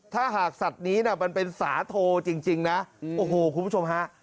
ถ้าหากสัตว์นี้เป็นสาโทจริงนะคุณผู้ชมฮะ